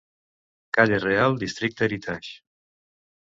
Calle Real, districte Heritage.